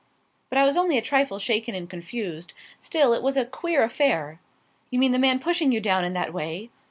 But I was only a trifle shaken and confused. Still, it was a queer affair." "You mean the man pushing you down in that way?"